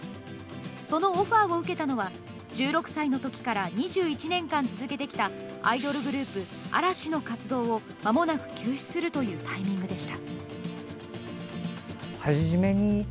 そのオファーを受けたのは、１６歳のときから２１年間続けてきたアイドルグループ、嵐の活動をまもなく休止するというタイミングでした。